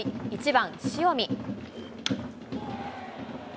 １番塩見。